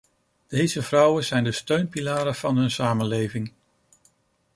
Deze vrouwen zijn de steunpilaren van hun samenleving.